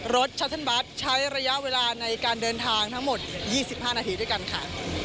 ชัตเทิร์นบัตรใช้ระยะเวลาในการเดินทางทั้งหมด๒๕นาทีด้วยกันค่ะ